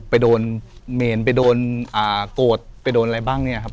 ไปโดนเมนไปโดนโกรธไปโดนอะไรบ้างเนี่ยครับ